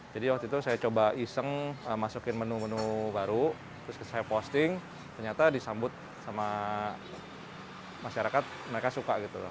jadi waktu itu saya coba iseng masukin menu menu baru terus saya posting ternyata disambut sama masyarakat mereka suka gitu